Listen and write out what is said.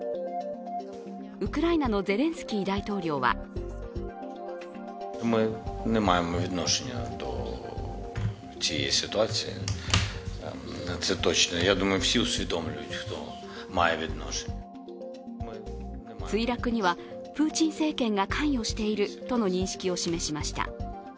ウクライナのゼレンスキー大統領は墜落にはプーチン政権が関与しているとの認識を示しました。